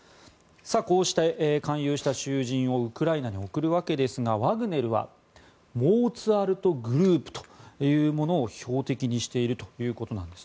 こうして勧誘した囚人をウクライナに送るわけですがワグネルはモーツァルト・グループというものを標的にしているということです。